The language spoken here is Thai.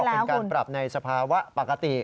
แล้วก็เป็นการปรับในสภาวะปกติ